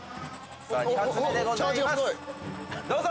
２発目でございますどうぞ！